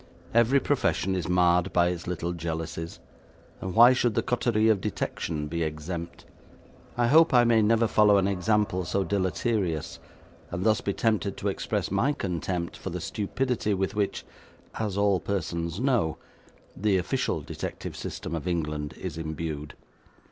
Every profession is marred by its little jealousies, and why should the coterie of detection be exempt? I hope I may never follow an example so deleterious, and thus be tempted to express my contempt for the stupidity with which, as all persons know, the official detective system of England is imbued.